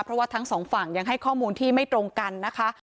เพราะว่าทั้งสองฝั่งยังให้ข้อมูลที่ไม่ตรงกันนะคะ